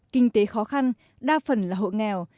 kinh tế khó khăn đa phần là hộ nghèo